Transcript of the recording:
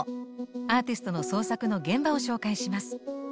アーティストの創作の現場を紹介します。